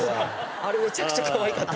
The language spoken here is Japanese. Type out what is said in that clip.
あれめちゃくちゃかわいかった。